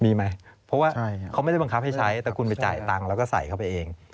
มีไหมเพราะว่าเขาไม่ได้บังคับให้ใช้แต่คุณไปจ่ายตังค์แล้วก็ใส่เข้าไปเอง